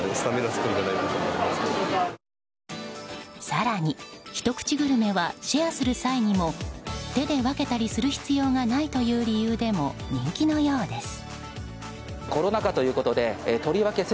更にひと口グルメはシェアする際にも手で分けたりする必要がないという理由でも人気のようです。